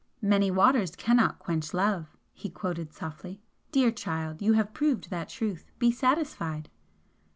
"'Many waters cannot quench love'!" he quoted softly. "Dear child, you have proved that truth. Be satisfied!"